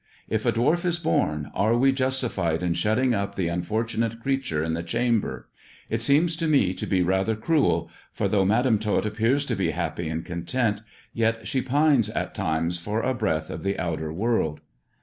If a dwarf is born, are we justified in shutting up the un fortunate creature in the chamber 1 It seems to me to be rather cruel, for though Madam Tot appears to be happy and content, yet she pines at times for a breath of the outer world.